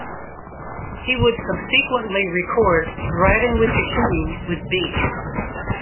He would subsequently record "Riding with the King" with B.